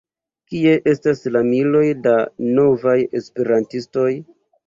Kie estas la miloj da novaj esperantistoj?